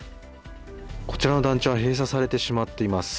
こちらの団地は閉鎖されてしまっています。